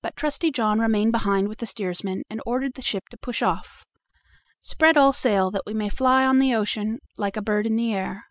But Trusty John remained behind with the steersman, and ordered the ship to push off. "Spread all sail, that we may fly on the ocean like a bird in the air."